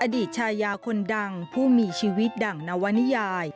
ดีชายาคนดังผู้มีชีวิตดั่งนวนิยาย